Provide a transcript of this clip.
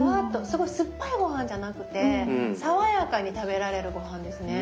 すごい酸っぱいごはんじゃなくて爽やかに食べられるごはんですね。